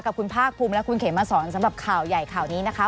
กับคุณภาคภูมิและคุณเขมมาสอนสำหรับข่าวใหญ่ข่าวนี้นะคะ